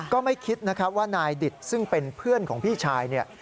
ก็ไม่คิดนะครับว่านายดิตซึ่งเป็นเพื่อนของพี่ชายเนี่ย